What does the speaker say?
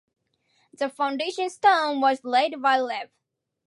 The foundation stone was laid by Rev.